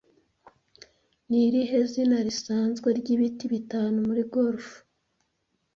Ni irihe zina risanzwe ryibiti bitanu muri golf